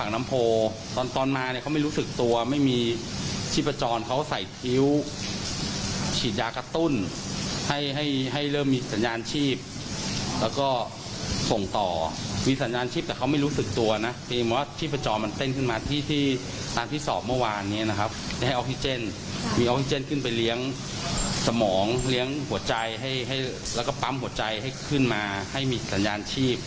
แล้วก็ปั๊มหัวใจให้ขึ้นมาให้มีสัญญาณชีพ